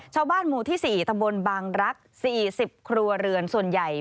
ชาวบ้านหมู่ที่๔ตำบลบางรัก๔๐ครัวเรือนส่วนใหญ่